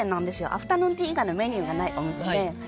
アフタヌーンティー以外のメニューがないお店で。